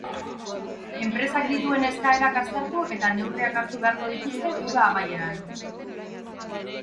Enpresak dituen eskaerak aztertu eta neurriak hartu beharko dituzte uda amaieran.